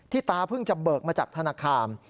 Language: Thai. ตาเพิ่งจะเบิกมาจากธนาคาร